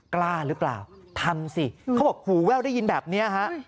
กล้าหรือเปล่าทำสิเขาบอกหูแว่วได้ยินแบบนี้ฮะ